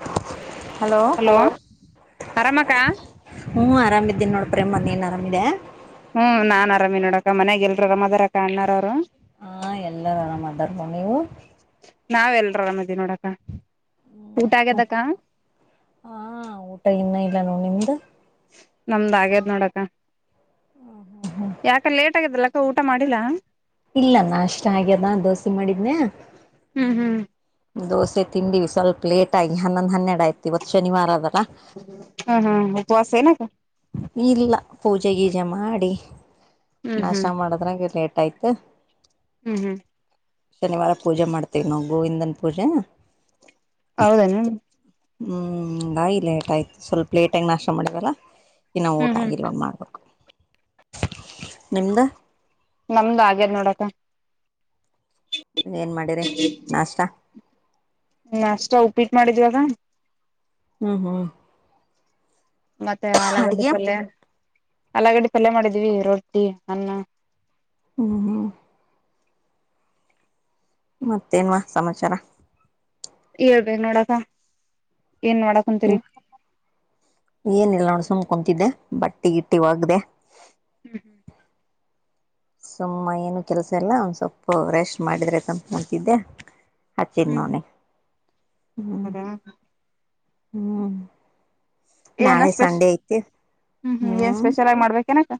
[inaudible] Hello ಆರಾಮಕ್ಕ ಹ್ಮ ಆರಾಮ್ ಇದಿದ್ದೀನಿ ನೋಡ ಪ್ರೇಮ ನೀ ಇದ್ದಾ ಹ್ಮ್ ನಾನ್ ಅರಾಮಿ ನೋಡಕ್ಕ ಮನ್ಯಾಗ ಎಲ್ರರು ಆರಮ ಅದಾರ ಅಕ್ಕ ಅಣ್ಣಾರ ಅವರು ಹಾ ಎಲ್ಲರೂ ಆರಾಮ ಅದರ ನೀವು ನಾವೆಲ್ರು ಅರಾಮದಿ ನೋಡಕ ಹ್ಮ್ ಊಟ ಮ ಆಗ್ಯದಕ್ಕ ಆ ಊಟ ಇನ್ನೂ ಇಲ್ಲಾನ ನಿಮ್ದ ನಮ್ದ್ ಆಗೇದ್ ನೋಡಕ ಯಾಕ ಲೇಟ್ ಆಗಿದಲ್ಲ ಊಟ ಮಾಡಿಲ್ಲಾ ಇಲ್ಲ ನಾ ಅಷ್ಟ ಹಾಗ್ಯದ ದೋಸೆ ಮಾಡಿದನ್ಯಾ ಹ್ಮ್ ಹ್ಮ್ ದೋಸೆ ತಿಿಂದವಿ ಸ್ವಲ್ಪ ಲೇಟ್ ಆಗಿ ಹನ್ನೊಂದ ಹನ್ನೆ ಆಯ್ತ್ ಇವತ್ ಶನಿವಾರ ಅದಲ್ಲ ಉಪವಸೆನ್ನಕ್ಕ ಇಲ್ಲ ಪೂಜೆ ಗೀಜೆ ಮಾಡಿ ಹ್ಮ್ ಹ್ಮ್ ನಷ್ಟ ಮಾಡದ್ರಂಗ ಲೇಟ್ ಆಯ್ತು ಹ್ಮ್ ಹ್ಮ್ ಶನಿವಾರ ಪೂಜೆ ಮಾಡ್ತೇವಿ ನಾ ಗೋವಿಂದನ್ ಪೂಜೆ ಹೌದನ ಹ್ಮ್ ಬಾಯಿ ಲೇಟ್ ಆಯ್ತು ಸ್ವಲ್ಪ ಲೇಟಾಗಿ ನಷ್ಟ ಮಾಡೀನಲ್ಲ ಇನ್ನು ಊಟ ಹ್ಮ್ ಹ್ಮ್ ಆಗಿಲ್ವ ಮಾಡ್ಬೇಕು ನಿಮ್ದ ನಮ್ದು ಆಗ್ಯದೆ ನೋಡಕ ಏನ್ ಮಾಡಿರಿ ನಾಷ್ಟ ನಾಷ್ಟ ಉಪ್ಪಿಟ್ಟ ಮಾಡಿದ್ವಾಗ ಹ್ಮ ಹ್ಮ ಮತ್ತೆ ಆಲಗಡ್ಡೆ ಪಲ್ಯ ಅಲಗಡಿ ಪಲ್ಯ ಮಾಡಿದೀವಿ ರೊಟ್ಟಿ ಅನ್ನ ಹ್ಮ್ ಹ್ಮ ಮತ್ತೇನ್ವಾ ಸಮಾಚಾರ ಹೇಳ್ಬೇಕ ನೋಡಕ್ಕ ಏನಿಲ್ಲೊಡು ಸುಮ್ ಕುಂತಿದ್ದೆ ಬಟ್ಟೆ ಗಿಟ್ಟಿ ಹೋಗ್ಡೆ ಹ್ಮ್ ಹ್ಮ್ ಸುಮ್ಮ ಏನು ಕೆಲ್ಸ ಎಲ್ಲ ಒಂದ ಸ್ಪ್ಪಪ ರೆಸ್ಟ್ ಮಾಡಿದ್ರೆ ತಂಪ್ ಅಂತಿದ್ದೆ ಹ ಹ್ಮ್ ಚಿನ್ನೋನ ಹ್ಮ್ ಹೌದಾ ಹ್ಮ್ ಏನ ನಾಳೆ ಸ್ಪೆಷ ಸಂಡೆ ಐತೆ ಏನ್ ಹ್ಮ್ ಸ್ಪೆಷಲ್ ಆಗಿ ಮಾಡ್ಬೇಕೇನಕ್ಕ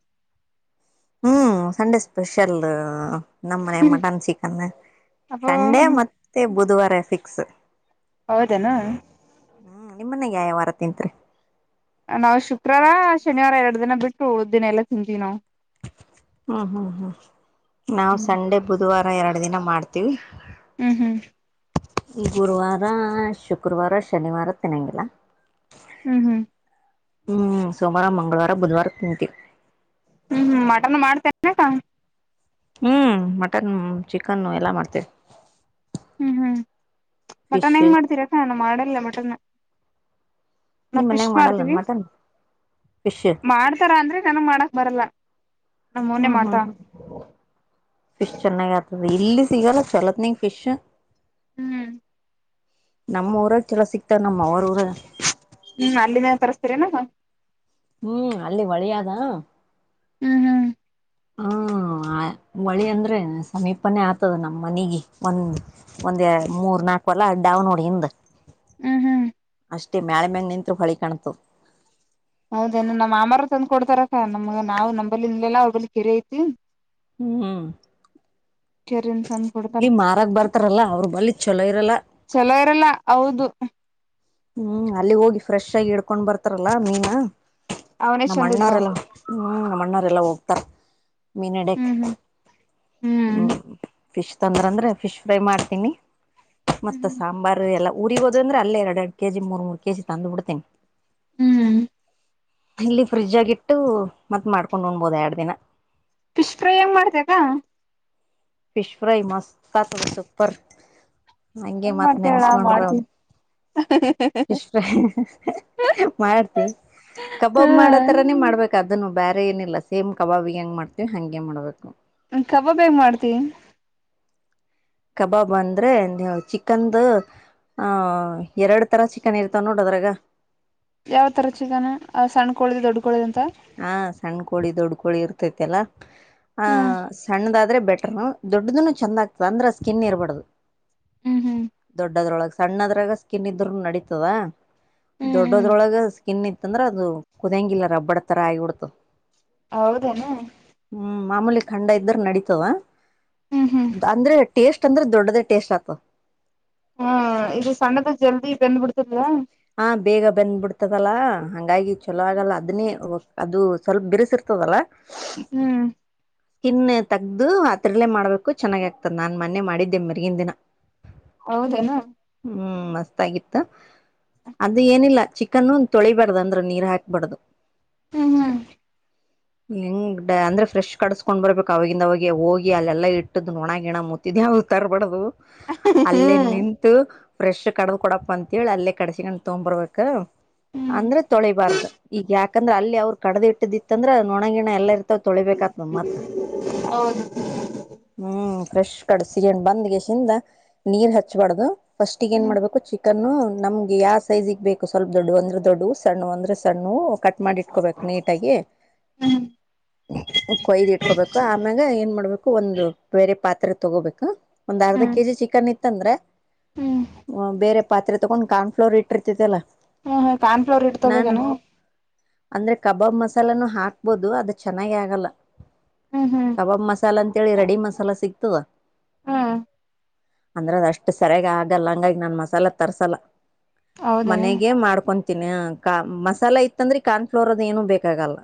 ಹ್ಮ್ ಸಂಡೆ ಸ್ಪೆಷಲ್ ನಮ್ಮನೆ ಮಟನ್ ಚಿಕನ್ ಅಬ್ಬೋ ಸಂಡೇ ಹ್ಮ್ ಮತ್ತೆ ಬುಧವಾರ ಫಿಕ್ಸ್ ಹೌದೇನಾ ಯಾಯಾವಾರ ತಿಂತ್ರಿ ನಾವು ಶುಕ್ರರ ಶನಿವಾರ ಎರಡು ದಿನ ಬಿಟ್ಟು ಉಳ್ದಿನ ಎಲ್ಲಾ ತಿಂತೀವಿ ನಾವು ಹ್ಮ್ ಹ್ಮ್ ಹ್ಮ್ ನಾವು ಹ್ಮ್ ಸಂಡೆ ಬುಧವಾರ ಎರಡು ದಿನ ಮಾಡ್ತೀವಿ ಹ್ಮ್ ಹ್ಮ್ ಈ ಗುರುವಾರ ಶುಕ್ರವಾರ ಶನಿವಾರ ತಿನ್ನಂಗಿಲ್ಲ ಹ್ಮ್ ಹ್ಮ್ ಹ್ಮ್ ಸೋಮವಾರ ಮಂಗಳವಾರ ಬುಧವಾರ ತಿಂತೀವಿ ಹ್ಮ್ ಹ್ಮ ಮಟನ್ ಮಾಡ್ತೇನೆಕ ಹ್ಮ್ ಮಟನ್ ಚಿಕನ್ನು ಎಲ್ಲಾ ಮಾಡ್ತೇವೆ ಹ್ಮ್ ಹ್ಮ್ ಮಟನ್ ಹೆಂಗ್ ಮಾಡ್ತೀರಕ್ಕ ನಾವ್ ಮಾಡಿಲ್ಲ ಮಟನ್ ನಾ ನಿಮ್ ಫಿಶ್ ಮನ್ಯಾಗ ಮಾಡಲ್ಲನ್ ಮಾಡ್ತೀವಿ ಮಟನ್ ಫಿಶ್ ಮಾಡ್ತಾರ ಅಂದ್ರೆ ಚೆನಗ ಮಾಡಕ್ ಬರಲ್ಲ ನಮ್ ಮೌನೆ ಹ್ಮ್ ಹ್ಮ್ ಮಾಡ್ತಾವ ಹ್ಮ್ ಫಿಶ್ ಚೆನ್ನೈಗತ ಇಲ್ಲಿ ಸಿಗಲ್ಲ ಚಲತ್ನ ಫಿಶ್ ಹ್ಮ್ ನಮ್ಮ ಊರಾಗ ಚಲೋ ಸಿಕ್ತಾರ ನಮ್ಮಮಾವ ಊರಗ ಹ್ಮ್ ಅಲ್ಲಿನ ತರಿಸಸ್ತೀರನ ಹ್ಮ್ ಅಲ್ಲಿ ಒಳಿಯದ ಹ್ಮ್ ಹ್ಮ್ [inaudible] ಆ ಹೊಳಿ ಅಂದ್ರೆ ಸಮೀಪನೇ ಆತದ ನಮ್ಮ ಮನೆಗೆ ಒಂದ್ ಒಂದ ಮೂರ್ ನಾಕ ಕೊಲ ಅಡ್ಡ ಅವನೋಡಿಿಂದ ಹ್ಮ್ ಹ್ಮ್ ಅಷ್ಟೇ ಮ್ಯಾಳೆ ಮ್ಯಂಗ ನಿತ್ರು ಹೊಳಿ ಕಾಣ್ತು ಹೌದೇನ ನಮ್ಮ್ಮಾರ ತಂದ್ ಕೊಡ್ತಾರಕ್ಕ ನಮ್ಗ ನಾವವು ನಮ್ಮಂಬಲ್ಲಿ ನಿಲ್ಲಲ್ಲ ಅವ್ರ ಬಳ ಕೆಿರೆ ಐತಿ ಹ್ಮ್ ಕೆರಿಂದ ತಂದ್ ಕೊಡ್ತಾರ ಇಲ್ಲಿ ಮಾರಕ್ ಬರ್ತಾರಲ್ಲಾ ಅವ್ರ ಬಳಿ ಚಲೋ ಇರಲ್ಲ ಚಲೋ ಇರಲ್ಲ ಹೌದು ಹ್ಮ್ ಅಲ್ಲಿ ಹೋಗಿ ಫ್ರೆಶ್ ಆಗಿ ಇಡ್ಕೊಂಡ್ ಬರ್ತಾರಲ್ಲಾ ಮೀನಾ. ಅವನೇ ನಮ್ಮ ಚಂದ ಇರ್ತಾವ ಅಣ್ಣರೆಲ್ಲ ಹ್ಮ್ ನಮ್ಮ ಅಣ್ಣರೆಲ್ಲಾ ಹೋಗ್ತಾರ. ಮೀನ್ ಇಡ್ಯಕ್. ಹ್ಮ್ ಹ್ಮ್ ಹ್ಮ್ ಫಿಶ್ ತೊಂದ್ರ ಅಂದ್ರೆ ಫಿಶ್ ಫ್ರೈ ಮಾಡ್ತೀನಿ ಮತ್ತ ಸಾಂಬಾರು ಎಲ್ಲ. ಉರಿ ಹೋದ ಅಂದ್ರ ಅಲ್ಲೇ ಎರ ಎರಡು ಕೆ ಜಿ ಮೂರ್ ಮೂರ್ ಕೆಜಿ ತಂದು್ ಬಿಡ್ತೇನಿ ಹ್ಮ್ ಇಲ್ಲಿ ಫ್ರಿಜ್ ಗಿಟ್ಟು ಮತ್ತ್ ಮಾಡ್ಕೊಂಡ್ ಊಣಬೋದ ಎರಡು ದಿನ ಫಿಶ್ ಫ್ರೈ ಹೆಂಗ್ ಮಾಡ್ತಯಕ್ಕ ಫಿಶ್ ಫ್ರೈ ಮಸ್ತ್ ಆತ ಸೂಪರ್ ಹಂಗೆ ಹೆಂಗ್ ಮತ್ ಮಾಡ್ತೀಯ ಹೇಳ ನೆನ್ಸ್ ಕೊಂಡ್ರ ಮಾಡ್ತೀನಿ ಫಿಶ್ ಫ್ರೈ ಮಾಡ್ತಿನಿ ಹ್ಮ ಕಬಾಬ್ ಮಾಡೋತರಾನೇ ಮಾಡ್ಬೇಕಕ್ ಅದನ್ನು ಬ್ಯಾರೆ ಏನಿಲ್ಲ ಸೇಮ್ ಕಬಾಬ್ ಹೆಂಗ್ ಮಾಡ್ತೀವಿ ಹಂಗೆ ಮಾಡ್ಬೇಕು ಕಬಾಬ್ ಹೆಂಗ್ ಮಾಡ್ತೀ ಕಬಾಬ್ ಅಂದ್ರೆ ನೀವು ಚಿಕನ್ದ ಹ ಎರಡು ತರ ಚಿಕನ್ ಇರ್ತಾವ ನೋಡದ್ರಾಗ ಯಾವ್ ತರ ಚಿಕನ ಸಣ್ಣಕಳಿ ದೊಡ್ಡ್ ಕಳಿ ಅಂತ ಹಾ ಸಣ್ಣ ಕೋಳಿ ದೊಡ್ ಕೋಳಿ ಇರ್ತೈತಿ ಅಲ್ಲ ಆ ಹ್ಮ್ ಸಣ್ಣದಾದ ಆದೆ ಬೆಟರ್ ದೊಡ್ಡುನು ಚಂದ ಆಗ್ತದ ಅಂದ್ರೆ ಸ್ಕಿನ್ ಇರಬಾರ್ದು. ಹ್ಮ್ ಹ್ಮ್ ದೊಡ್ಡದ್ರೊಳಗ ಸಣ್ಣದ್ರಾಗ ಸ್ಕಿನ್ ಇದರೂನು ನಡೀತದ. ಹ್ಮ್ ಹ್ಮ್ ದೊಡ್ಡದ್ರೊಳಗ ಸ್ಕಿನ್ ಇತ್ತಂದ್ರ ಅದು ಕುದಿಯಂಗಿಲ್ಲ ರಬ್ಬಡತರ ಆಗಿ ಬಿಡ್ತು. ಹೌದೇನಾ. ಮಾಮೂಲಿ ಖಂಡ ಇದ್ರ ನಡತವ. ಹ್ಮ್ ಹ್ಮ್ ಅಂದ್ರೆ ಟೇಸ್ಟ್ ಅಂದ್ರೆ ದೊಡ್ಡದೇ ಟೇಸ್ಟ್ ಆತ. ಹ ಇದು ಸಣ್ಣದ ಜಲ್ದಿ ಬೆಂದ್ ಬಿಡ್ತದವಾ. ಹ ಬೇಗ ಬೆಂದ್ ಬಿಡ್ತದಲ್ಲಾ ಹಂಗಾಗಿ ಚೊಲೋ ಆಗಲ್ಲ ಅದನ್ನೇ ಅದು ಸ್ವಲ್ಪ ಬಿರ್ಸಿರ್ತದಲ್ಲ. ಹ್ಮ್ ಸ್ಕಿನ್ನೆ ತೆಗ್ದು ಆದ್ರಲ್ಲೆ ಮಾಡ್ಬೇಕು ಚೆನ್ನಾಗ ಆಗ್ತದ ನಾನ್ ಮನ್ನೆ ಮಾಡಿದ್ದೆ ಮರ್ಗಿನ್ ದಿನ. ಹೌದನಾ. ಹ್ಮ್ ಮಸ್ತ್ ಗಿತ್ತ. ಚಿಕನ್ ಒಂದ ತೊಳಿಬಾರ್ದ ಅಂದ್ರ ನೀರ್ ಹಾಕ್ಬಾರ್ದು. ಹ್ಮ ಹ ಹಿಂಗ್ ಅಂದ್ರೆ ಫ್ರೆಶ್ ಕಡಸ್ಕೊಂಡ ಬರ್ಬೇಕ ಅವಾಗಿಂದ ಅವಾಗ ಹೋಗಿ ಅಲ್ಲೆಲ್ಲಾ ಇಟ್ಟುದ್ ನೊಣಗಿಣ ಮುತಿದ್ ಹೌ ತರ್ಬಾರ್ದು ಅಲ್ಲೆ ಹ್ಮ್ ನಿಂತು ಫ್ರೆಶ್ ಕಡ್ದ ಕೊಡಪ್ಪ ಅಂತೇಳಿ ಅಲ್ಲೆ ಕಡಿಸಿಕೊಂಡ್ ತೋಂಬುರಬೇಕು. ಹ್ಮ್ ಅಂದ್ರೆ ತೊಳಿಬಾರ್ದ ಈಗ ಯಾಕಂದ್ರ ಅಲ್ಲಿ ಅವ್ರು ಕಡ್ದ ಇಟ್ಟ್ದಿತ್ತ ಅಂದ್ರೆ ನೊಣಗಿಣ ಎಲ್ಲಾ ಇರ್ [unintelligible] ಮ ತೊಳಿಬೇಕತ ಮತ್ತ ಹೌದು ಹ್ಮ್. ಫ್ರೆಶ್ ಕಡಸ್ಕಂಡ್ ಬಂದ್ ಗಿಸಿಂದ ನೀರ್ ಹಚ್ಬಾರ್ದು ಫಸ್ಟಿಗೆನ್ ಏನ್ ಹ್ಮ್ ಮಾಡ್ಬೇಕು ಚಿ [unintelligible] ನ್ನು ನಮ್ಗೆ ಯಾವ ಸೈಜಿಗೆ ಬೇಕು ಸ್ವಲ್ಪ ದೊಡ್ಡುವ್ ಅಂದ್ರೆ ದೊಡ್ಡುವು ಸಣ್ಣವ್ ಅಂದ್ರೆ ಸಣ್ಣವು ಕಟ್ಟ್ ಮಾಡಿ ಇಟ್ಕೋಬೇಕು ನೀಟಾಗಿ. ಹ್ಮ್ ಕೊಯ್ದು ಇಟ್ಕೋಬೇಕು ಆಮ್ಯಾಗ ಏನ್ ಮಾಡ್ಬೇಕು ಒಂದು ಬೇರೆ ಪಾತ್ರೆ ತಗೋಬೇಕು ಒಂದ್ ಅರ್ಧ ಹ್ಮ್ ಹ್ಮ್ ಕೆಜಿ ಚಿಕನ್ ಇತ್ತ ಅಂದ್ರೆ ಹ್ಮ್ ಬೇರೆ ಪಾತ್ರೆ ತಗೊಂಡ್ ಕಾಣ್ [unintelligible] ಫಲೋರ್ ಇಟ್ಇರ್ತಿತಲ್ಲ. Cornflour it ತೊಬೇಕೆನು. ಅಂದ್ರೆ ಕಬಾಬ್ ಮಸಾಲನು ಹಾಕ್ಬೋದು ಅದು ಚೆನ್ನಾಗೆ ಆಗಲ್ಲ. ಹ್ಮ್ ಹ್ಮ್ ಕಬಾಬ್ ಮಸಾಲ ಅಂತೇಳಿ ರೆಡಿ ಮಸಾಲ ಸಿಗ್ತದ. ಹ್ಮ್ ಅಂದ್ರ ಅದ ಅಷ್ಟು ಸರಿಯಾಗ ಆಗಲ್ಲ ಹಂಗಾಗಿ ನಾನು ಮಸಾಲೆ ತರ್ಸಲ್ಲ. ಹೌದೇನು ಮನೆಗೆ ಮಾಡ್ಕೊ [unintelligible] ಹ ಕಮಸಾಲೆ ಇತ್ತಂದ್ರೆ ಕಾರ್ನ್ಫ್ಲೋರ್ ಅದ್ ಏನು ಬೇಕಲ್ಲ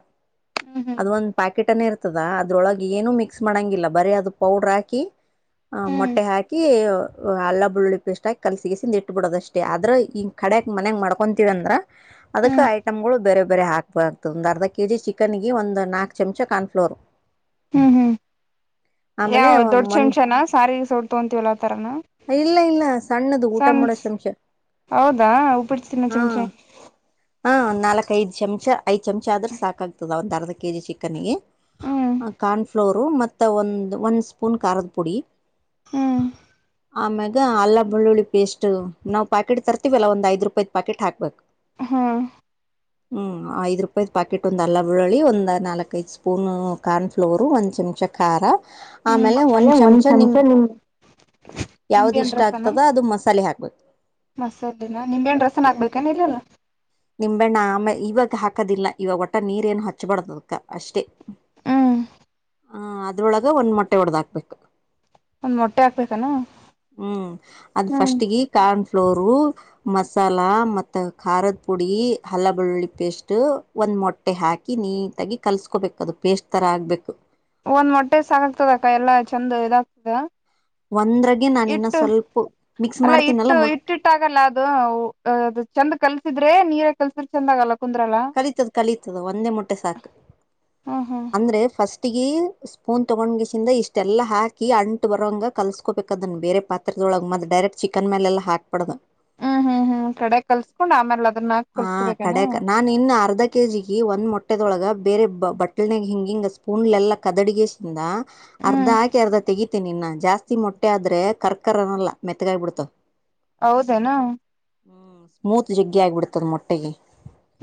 ಹ್ಮ್ ಹ್ಮ್ ಅದ್ ಒಂದ್ ಪ್ಯಾಕ್ ಕಿಟನೆ ಇರ್ತದ ಅದ್ರೊಳಗೆ ಏನೂ ಮಿಕ್ಸ್ ಮಾಡಂಗಿಲ್ಲ ಬರಿ ಅದು ಪೌಡ್ರ ಹಾಕಿ. ಹ್ಮ್ ಮೊಟ್ಟೆ ಹಾಕಿ ಅಲ್ಲ ಬೆುಳ್ಳಳ್ಳಿ ಪೇಸ್ಟ್ ಹಾಕಿ ಕಲ್ಸಿಗೆಸಿಂದ ಇಟ್ಟುಬಿಡೋದಷ್ಟೇ ಆದ್ರ ಈ ಕಡಕ್ ಮನೆಗ್ ಮಾಡ್ಕೊಂತೀವಿ ಅಂದ್ರ ಅದಕ್ ಹ್ಮ್ ಐಟಮ್ ಗಳು ಬೇರೆ. ಬೇರೆ ಹಾಕ್ಬಾರ್ದು ಒಂದು ಅರ್ಧ ಕೆಜಿ ಚಿಕನ್ಗೆ ಒಂದು ನಾಲ್ಕು ಚಮಚ ಕಾರ್ನ್ಫ್ಲೋರ್. ಹ್ಮ್ ಹ್ಮ್ ಆಮೇಲೆ ಯಾವ ದೊಡ್ ಒಂದ್ ಚಮಚನಾ ಸಾರಿಗೆ ಸೊಟ್ ತಗೊತೀವಲ್ಲ ಆತರನ. ಇಲ್ಲ ಇಲ್ಲ ಸಣ್ಣದು ಊಟ ಮಾಡೋ ಚಮಚೆ ಹೌದಾ ಉಪ್ಪಿಡ್ ತಿನ್ನ ಚಮಚೆ ಹ ನಾಲ್ಕ ಐದು ಚಮಚ ಐದ ಚಮಚ ಆದ್ರೆ ಸಾಕಾಗ್ತದ ಒಂದ್ ಅರ್ಧ ಕೆಜಿ ಚಿಕ್ಕನಿಗೆ. ಹ್ಮ್ ಕಾರ್ನ್ಫ್ಲೋರು ಮತ್ತು ಒಂದ್ ಒಂದು ಸ್ಪೂನ್ ಖಾರದ ಪುಡಿ. ಹ್ಮ್ ಆಮ್ಯಾಗ ಅಲ್ಲ ಬೆಳ್ಳುಳ್ಳಿ ಪೇಸ್ಟ್ ನಾವು ಪ್ಯಾಕೆಟ್ ತರ್ತಿವಿಲ್ಲ ಒಂದು ಐದು ರೂಪಾಯದು ಪಾಕೆಟ್ ಹಾಕ್ಬೇಕು. ಹಾ ಹ್ಮ್ ಐದ್ ರೂಪಾಯಿ್ ಪಾಕೆಟ್ ಒಂದ್ ಅಲ್ಲ ಬೆಳ್ಳುಳ್ಳಿ ಒಂದ್ ನಾಲ್ಕೈದು ಸ್ಪೂನ್ ಕಾರ್ನ್ಫ್ಲೋರ್ ಒಂದ್ ಚಮ್ [unintelligible] ಚ ಖಾರ ಆಮೇಲೆ ಒಂದ್ ಚಮಚ ನಿಮ್ ಯಾವ್ದ್ ನಿಂಬೆಹಣ್ಣ ಇಷ್ಟ ರಸನ ಆಗ್ತದ ಅದು ಮಸಾಲೆ ಹಾಕ್ಬೇಕು. ಸರಿನಾ ನಿಂಗೇನು ಡ್ರೆಸ್ನ್ ಹಾಕ್ಬೇಕಾ ಇಲ್ಲಲ್ಲ ನಿಂಬೆಣ್ಣ ಆಮೇ ಇವಾಗ ಹಾಕದಿಲ್ಲ ಇವಾಗ ಒಟ್ಟ ನೀರ್ ಏನು ಹಚ್ಬಾರ್ದದಕ್ಕ ಅಷ್ಟೇ. ಹ್ಮ್ ಹೂಂ ಅದ್ರೊಳಗೆ ಒಂದು ಮೊಟ್ಟೆ ಒಡದ ಹಾಕ್ಬೇಕು. ಒಂದ್ ಮೊಟ್ಟೆ ಹಾಕ್ಬೇಕನ ಹ್ಮ್ ಅದ್ ಫಸ್ಟ್ಗೀ ಕಾರ್ನ್ ಫ್ಲೋರು ಮಸಾಲ ಮತ್ತ ಖಾರದ ಪುಡಿ ಹಲ್ಲ ಬೆಳ್ಳುಳ್ಳಿ ಪೇಸ್ಟ್ ಒಂದ್ ಮೊಟ್ಟೆ ಹಾಕಿ ನೀಟಾಗಿ ಕಲ್ಸ್ಕೋಬೇಕು ಅದು ಪೇಸ್ಟ್ ತರ ಆಗ್ಬೇಕು. ಒಂದ್ ಮೊಟ್ಟೆ ಸಾಕಾಗ್ತದ ಅಕ್ಕ ಎಲ್ಲಾ ಚಂದ ಇದಾಗ್ತದ. ಒಂದ್ರಾಗೆ ನಾನ ಇನ್ನ ಇಟ್ಟು ಸ್ವಲ್ಪ ಮಿಕ್ಸ್ ಅಲ್ಲ ಮಾಡ್ತೀನಲ್ಲ ಇಟ್ಟು ಮೊ ಇಟ್ಟಿಟ್ಟಾಗಲ್ಲ ಅದು ಅದು ಚಂದ ಕಲ್ಸಿದ್ರೆ ನೀರ ಕಲ್ಸಿದ್ರೆ ಚಂದ ಆಗಲ್ಲ ಕುಂದ್ರಲ್ಲ ಕಲೀತದ ಕಲೀತದ ಒಂದೇ ಮೊಟ್ಟೆ ಸಾಕು ಹ್ಮ್ ಹ್ಮ್ ಅಂದ್ರೆ ಫಸ್ಟ್ ಸ್ಪೂನ್ ತಗೊಂಡ್ ಕ್ಯಾಸಿಂದ ಇಷ್ಟೆಲ್ಲ ಹಾಕಿ ಅಂಟು ಬರ ಕಲ್ಸ್ಕೋಬೇಕ ಅದನ್ನು ಬೇರೆ ಪಾತ್ರೆ ದ್ರೊಳಗ ಮತ್ತ ಡೈರೆಕ್ಟ್ ಚಿಕ್ಕನ್ ಮೇಲೆಲ್ಲ ಹಾಕ್ಬಾಡ್ದು ಹ್ಮ್ ಹ್ಮ್ ಹ್ಮ್ ಒಂದ್ಕಡೆ ಕಲ್ಸ್ಕೊಂಡ್ ಆಮ್ಯಾಲ ಅದನ್ನ ಹಾಕ ಆ ಕಲ್ಸ್ಕಬೇಕೇನ. ಕಡೆಕ್ ನಾನ್ ಇನ್ನು ಅರ್ಧ ಕೆ ಜಿ ಗೆ ಒಂದ್ ಮೊಟ್ಟೆದೊಳಗ ಬೇರೆ ಬ ಬಟ್ಲ್ನಾಗ ಹಿಂಗಿಂಗ ಸ್ಪೂನ್ಲ್ ಎಲ್ಲಾ ಕದಡಿಗ್ಯಾಸ್ ಸಿಂದ ಅರ್ಧ ಹ್ಮ್ ಹಾಕಿ ಅರ್ಧ ತೆಗತೇನಿ ಇನ್ನ. ಜಾಸ್ತಿ ಮೊಟ್ಟೆ ಆದ್ರೆ ಕರ್ಕರ್ ಅನಲ್ಲ ಮೆತ್ತಗಾಗ್ಬಿಡ್ತಾವ್ ಹೌದನ ಹ್ಮ್ ಸ್ಮೂತ್ ಜಗ್ಗಿ ಆಗ್ಬಿಡ್ತದ ಮೊಟ್ಟೆಗೆ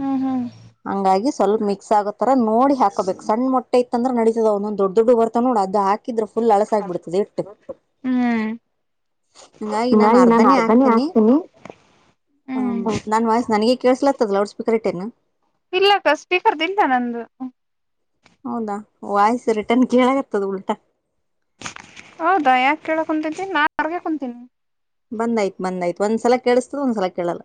ಹ್ಮ್ ಹ್ಮ್ ಹಂಗಾಗಿ ಸ್ವಲ್ ಮಿಕ್ಸಾಗೋತರ ನೋಡಿ ಹಾಕೋಬೇಕ ಸಣ್ಣ ಮೊಟ್ಟೆ ಇತ್ತ ಅಂದ್ರ ನಡೀತದ ಒಂದೊಂದು ದೊಡ್ಡ ದೊಡ್ಡವು ಬರ್ತವ ನೋಡು ಅದ ಹಾ ಕಿದ್ರ ಫುಲ್ ಅಳಸ ಆಗಿಬಿಡ್ತದ ಹಿಟ್ಟು ಹ್ಮ್ ಹಂಗಾಗಿ ನಾ ಹಿಂಗಾಗಿ ನಾನ್ ಅರ್ಧನೇ ಆಕ್ತೀನಿ. ಹಾಕ್ತೀನಿ ಹಾಂ ನನ್ ವಾಯ್ಸ್ ನನಗೆ ಕೇಳಿಸ್ಲಾತ್ತದ ಲೌಡ್ ಸ್ ಇಲ್ಲಾಕ್ಕ ಸ್ಪೀಕರ್ದಿಲ್ಲ ನಂದು ಹೌದಾ ವಾಯ್ಸ ರಿಟರ್ನ್ ಕೇಳಕತದ ಉಲ್ಟಾ ಹೌದಾ ಯಾಕ ಕೇಳ ಕುಂತತಿ ನಾನ್ ಹೊರ್ಗ ಕುಂತೀನಿ ಬಂದಾಯ್ತು ಬಂದಾಯ್ತು ಒಂದ್ಸಲ ಕೇಳಸ್ತದ ಒಂದ್ಸಲ ಕೇಳಲ್ಲ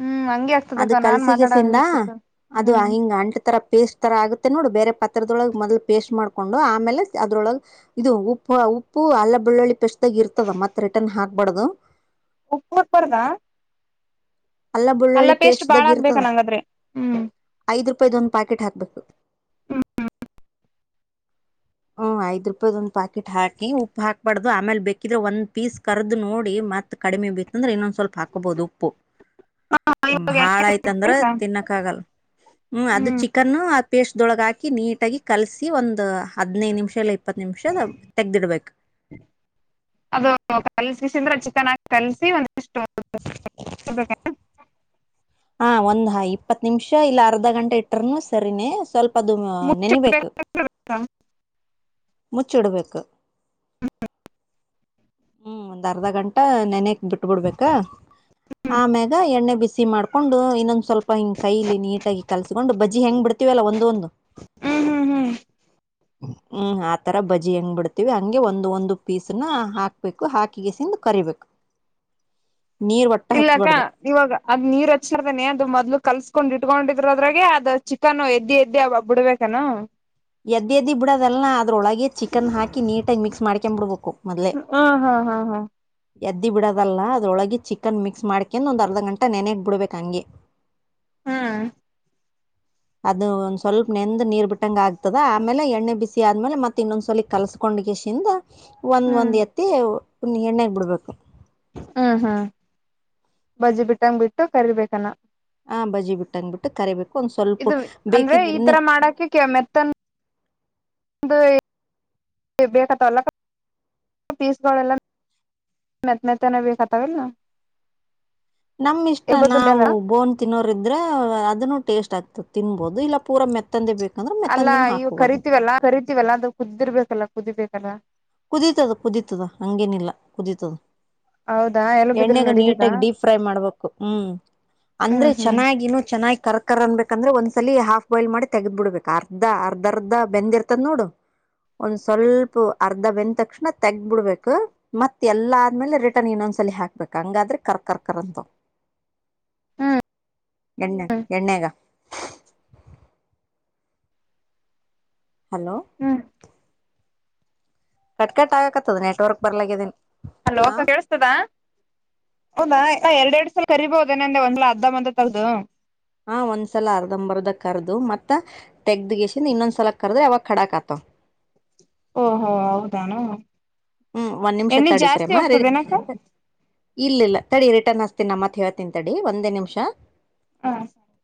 ಹ್ಮ್ ಹಂಗೆ ಅದು ಆಗ್ತದಕ್ಕ ನಾನ್ ಮಾತಾಡ ಕಲ್ಸಿಗೆಸಿಂದ ಹಂಗೆ ಆಗ್ತಿರ್ತದ ಅದು ಹ್ಮ್ ಹಿಂಗ್ ಅಂಟ ತರ ಪೇಸ್ಟ್ ತರ ಆಗುತ್ ನೋಡು ಬೇರೆ ಪಾತ್ರೆದೊಳಗ ಮೊದಲು ಪೇಸ್ಟ್ ಮಾಡ್ಕೊಂಡು ಆಮೇಲೆ ಅದ್ರೊಳಗೆ ಇದು ಉಪ್ಪು ಉಪ್ಪು ಅಲ್ಲ ಬಳ್ಳೊಳ್ಳಿ ಪೇಸ್ಟ್ದಾಗ ಇರ್ತದ ಮತ್ತೆ ರಿಟರ್ನ್ ಹಾಕ್ಬಾರ್ದದು. ಉಪ್ಪ ಹಾಕ್ಬಾರ್ದಾ ಅಲ್ಲ ಬಳ್ಳೊಳ್ಳಿ ಪೇಸ್ಟ್ದಾಗ ಆಗ್ಬೇಕ ಇರ್ತದ ನಂಗಾದ್ರೆ ಹ್ಮ್ ಐದ್ ರೂಪಾಯದ ಒಂದ್ ಪ್ಯಾಕೆಟ್ ಹಾಕ್ಬೇಕು ಹೂಂ ಹುಂ ಹ್ಮ್ ಐದ್ ರೂಪಾಯ್ದ ಒಂದ್ ಪಾಕೆಟ್ ಹಾಕಿ ಉಪ್ಪು ಹಾಕ್ಬಾರ್ದು ಆಮೇಲೆ ಬೇಕಿದ್ರೆ ಒಂದ್ ಪೀಸ್ ಕರ್ದ್ ನೋಡಿ ಮತ್ತ ಕಡಿಮಿ ಬಿತ್ತ ಅಂದ್ರ ಇನ್ನೊಂದ್ ಸ್ವಲ್ಪ ಹಾಕೋಬಹುದು ಉಪ್ಪು. ಭಾಳ ಆಯ್ತಂದ್ರ ತಿನ್ನಕ್ ಆಗಲ್ ಹ್ಮ್ ಅದು ಚಿಕನ್ ಪೇಸ್ಟ್ದೊಳಗ ಹಾಕಿ ನೀಟಾಗಿ ಕಲಸಿ ಒಂದು ಹದ್ನೈದು ನಿಮಿಷ ಇಲ್ಲ ಇಪ್ಪತ್ತು ನಿಮಿಷ ತೆಗ್ದಿಡ್ಬೇಕು. ಅದು ಕಲ್ಸಿಸಿಂದ್ರೆ ಚಿಕನ್ ಆಗಿ ಕಲ್ಸಿ ಒಂದ ಪೇಸ್್ದೊ [unintelligible] ಹಾ ಒಂದ ಇಪ್ಪತ್ ನಿಮಿಷ ಇಲ್ಲ ಅರ್ಧ ಗಂಟೆ ಇಟ್ಟ್ರನು ಸರಿನೇ ಸ್ವಲ್ಪ ಅದು ಹ್ಮ್ ನೆನಿಬೇಕು ಮುಚ್ಚಿಡ್ಬೇಕು ಹ ಹ್ಮ್ ಒಂದ್ ಅರ್ಧ ಗಂಟೆ ನೆನಕ್ ಬಿಟ್ಬಿಡ್ಬೇಕ ಆಮ್ಯಾಗ ಎಣ್ಣೆ ಬಿಸಿ ಮಾಡ್ಕೊಂಡು ಇನ್ನೊಂದ ಸ್ವಲ್ಪ ಹಿಂಗ್ ಕೈಯಲಿ ನೀಟಾಗಿ ಕಲ್ಸಕೊಂಡು ಬಜ್ಜಿ ಹೆಂಗ್ ಬಿಡ್ತೀವಲ್ಲ ಒಂದೊಂದು ಹ್ಮ್ ಹ್ಮ್ ಹ್ಮ್ ಹ್ಮ್ ಹಾತ್ ತರ ಬಜಿ ಹೆಂಗ್ ಬಿಡ್ತವಿ ಹಂಗೆ ಒಂದ ಒಂದು ಪೀಸ್ನ ಹಾಕ್ಬೇಕು ಹಾಕಿಗೆಸಿಂದ ಕರಿಬೇಕು. ನೀರ್ ಒಟ್ಟ ಇಲ್ಲಕ್ಕ ಹಚ್ಬಾರ್ದು ಇವಾಗ ಅದ ನೀರ್ ಹಚ್ಚಾರದನೆ ಅದು ಮೊದ್ಲು ಕಲ್ಸ್ಕಡಿ ಇಟ್ಕೊಂಡಿದರು ಅದ್ರಾಗ ಅದು ಚಿಕನ್ ಎದ್ದಿ ಎದ್ದ ಬಿಡ್ಬೇಕನು ಎದ್ದ ಎದಿ ಬಿುಡ ಅದ್ರೊಳಗೆ ಚಿಕನ್ ಹಾಕಿ ನೀಟಾಗಿ ಮಿಕ್ಸ್ ಮಾಡ್ಕೊ ಬಿಡ್ಬೇಕು ಮೊದ್ಲೆೇ ಹ ಹಾ ಹಾ ಹಾ ಎದ್ದಿ ಬಿಡೋದಲ್ಲ ಅದೊಳಗೆ ಚಿಕನ್ ಮಿಕ್ಸ್ ಮಾಡ್ಕಂಡ ಒಂದು ಅರ್ಧ ಗಂಟೆ ನೆನೆಗ್ ಬಿಡ್ಬೇಕು ಹಂಗೆ ಹ್ಮ ಅದು ಒಂದ್ ಸ್ವಲ್ಪ ನೆಂದ ನೀರ್ ಬಿಟ್ಟಂಗ ಆಗ್ತದ ಆಮೇಲೆ ಎಣ್ಣೆ ಬಿಸಿ ಆದ್ಮೇಲೆ ಮತ್ತತ್ ಇನ್ನೊಂದ್ಸಲಲಿ ಕಲ್ಸಕೊಂಡ್ಸಿಂದ ಒಂದ್ ಒಂದ್ ಎತ್ತಿ ಪು ಎಣ್ಣೆ ಬಿಡ್ಬೇಕು ಹ್ಮ್ ಹ್ಮ್ ಬಜ್ಜಿ ಬಿಟ್ಟಂಗ ಬಿಟ್ಟು ಕರಿಬೇಕಾನ ಹಾ ಬಜಿ ಬಿಟ್ಟಂಗ್ಬಿಟ್ಟು ಕರಿಬೇಕು ಒಂದ್ ಸ್ವಲ್ಪ ಇದು ಅಂದ್ರೆ ಬೇಕಿದ್ದ ಈ ತರ ಮಾಡಕ ಒಂದು ಬೇಕತ್ತಲ್ಲ ಪೀಸ್ಗಳೆಲ್ಲ ಮೆತ್ತ ಮೆತ್ತನ ಬೇಕತ್ತಾವಲ್ ನಮ್ಮ್ ಇಷ್ಟ ನಾವು ಬೋನ್ ತಿನ್ನೋರ್ ಇದ್ರ ಅದನ್ನು ಟೇಸ್ಟ್ ಆಗ್ತತಿ ತಿನ್ಬಹುದು ಇಲ್ಲ ಪೂರ ಮೆತ್ತಂದೇ ಬೇಕು ಅಲ್ಲಾ ಈವು ಕರಿತೀವಲ್ಲ ಕರಿತೀವಲ್ಲ ಅದು ಕುದಿರ್ಬೇಕಲ್ಲ ಕುದಿಬೇಕಲ್ಲ ಕುದೀತದ ಕುದೀತದ ಹಂಗೇನಿಲ್ಲ ಕುದೀತದ ಹೌದಾ ಎಲ್ಲ ಬಿದ್ರ ಎಣ್ಣೆೆಗೆ ನಡೀತದಾ ನೀಟಾಗಿ ಡೀಪ್ ಫ್ರೈ ಮಾಡ್ಬೇಕು ಹ್ಮ್ ಅಂದ್ರೆ ಹ್ಮ್ ಹ್ಮ್ ಚೆನ್ನಾಗಿನ ಚೆನ್ನಾಗಿ ಕರ್ಕರ್ ಅನ್ಬೇಕಂದ್ರೆ ಒಂದ ಲಿ ಹಾಫ್ ಬಾಯ್ಲ್ ಮಾಡಿ ತೆಗದ್ ಬಿಡ್ಬೇಕು ಅರ್ಧ ಅರ್ಧ ಅರ್ಧ ಬೆಂದ್ರ್ತದ ನೋಡು ಒಂದ ಸ್ವಲ್ಪ ಅರ್ಧ ಬೆಂದ ತಕ್ಷಣ ತೆಗಬಿಡ್ಬೇಕು ಮತ್ತ ಎಲ್ಲ ಆದ್ಮೇಲೆ ರಿಟರ್ನ್ ಇನೋನ್ಸಲ್ಲಿ ಹಾಕ್ಬೇಕು ಹಂಗಾದ್ರೆ ಕರ್ ಕರ್ಕದ ಹ [inaudible] [inaudible] ಎಣ್ಣೆ ಎಣ್ಣೆಗ ಹಲೋ ಹ್ಮ್ ಕಟ್ ಕಟ್ ಆಗಕತ್ತದ ನೆಟ್ವರ್ಕ್ ಬರ್ಲಾಗಿದ್ದೀಿ ಅಲೋಕ್ಕ ಕೇಳಸ್ತದ ಹೌದಾ ಎರಡ್ ಎರಡ್ ಸಲ ಕರಿಬೋುದದೇಂದ ಒಂದ್ಲ ಅದ್ದ ಅಂದ ತಗ್ದದು ಹಾ ಒಂದ್ಸಲ ಅರ್ದಂಬರ್ದ ಕರ್ದು ಮತ್ತತ್ ತೆಗ್ದ ಗಸಿಂದ ಇನ್ನೊಂದ್ಸಲ ಕರ್ದ್ರ ಯಾವಾಗ ಕಡಾಕ್ ಆತವ [inaudible] ಓಹೋ ಹೌದಾನ ಹ್ಮ್ ಒಂದ್ ನಿಮಿಷ ತಡಿಪ್ರೇಮ್ಮ ರಡಿ ಇಲ್ಲಿಲ್ಲ ತಡಿ ರಿಟರ್ನ್ ಹಸ್ತೀನ ನಮ್ಮತ್ತೆ ಹೇಳ್ತೀನಂತಡಿ ಒಂದೇ ನಿಮಿಷ ಹಾ ಸರಿ